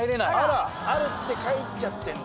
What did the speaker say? あら「ある」って書いちゃってんだ。